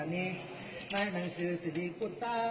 ทั้งสี่นังนักไทยท้อละนี้ไม่ให้นังสื่อสิริกุฎา